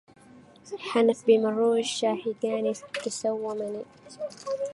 حنت بمرو الشاهجان تسومني